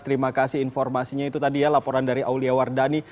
terima kasih informasinya itu tadi ya laporan dari aulia wardani